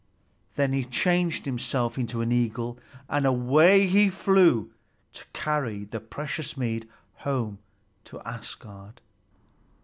Then he changed himself into an eagle, and away he flew to carry the precious mead home to Asgard.